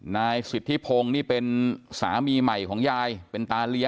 นางนาคะนี่คือยายน้องจีน่าคุณยายถ้าแท้เลย